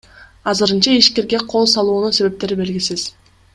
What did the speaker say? Азырынча ишкерге кол салуунун себептери белгисиз.